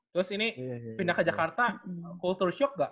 terus ini pindah ke jakarta kultur shock gak